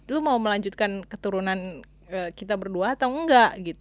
lu mau melanjutkan keturunan kita berdua atau enggak gitu